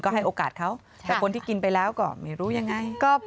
ให้โอกาสเขาแต่คนที่กินไปแล้วก็ไม่รู้ยังไง